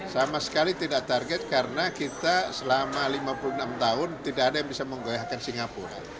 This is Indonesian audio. sama sekali tidak target karena kita selama lima puluh enam tahun tidak ada yang bisa menggoyahkan singapura